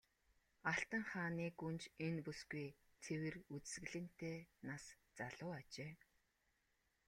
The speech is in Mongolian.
Алтан хааны гүнж энэ бүсгүй цэвэр үзэсгэлэнтэй нас залуу ажээ.